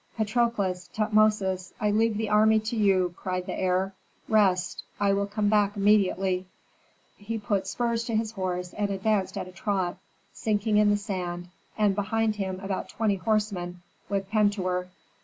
"Patrokles, Tutmosis, I leave the army to you!" cried the heir. "Rest. I will come back immediately." He put spurs to his horse and advanced at a trot, sinking in the sand, and behind him about twenty horsemen, with Pentuer.